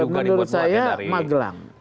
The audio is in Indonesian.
menurut saya magelang